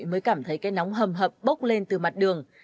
mới cảm thấy cái nóng hầm hập bốc lên từ mặt đường